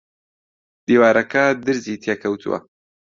دیوارەکە درزی تێ کەوتووە